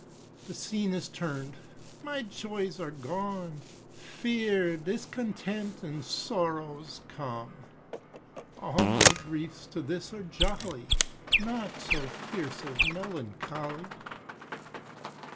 The scene is turn'd, my joys are gone, Fear, discontent, and sorrows come. All my griefs to this are jolly, Naught so fierce as melancholy.